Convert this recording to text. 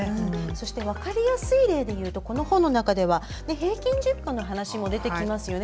そして分かりやすい例で言うと、この本の中では平均寿命の話も出てきますよね。